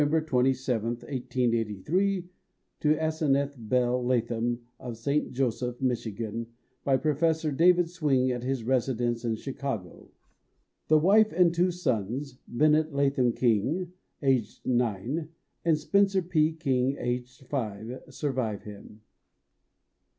27, 1883 to Aseneth Belle Latham, of St. Joseph, Michigan, by Professor David Swing at his residence in Chicago. The wife and two sons, Bennett Latham King, aged nine, and Spencer P. King, aged five, survive him.